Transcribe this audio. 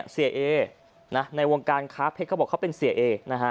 เซียเอในวงการค้าเพชรเขาบอกเป็นเซียเอ